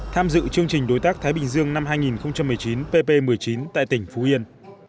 tham dự chương trình đối tác thái bình dương năm hai nghìn một mươi chín pp một mươi chín tại tỉnh phú yên